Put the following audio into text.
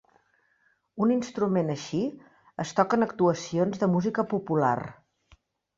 Un instrument així es toca en actuacions de música popular.